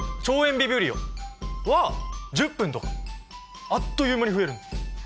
ビブリオは１０分とかあっという間に増えるんだ。